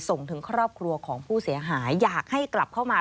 ส่งถึงครอบครัวของผู้เสียหายอยากให้กลับเข้ามา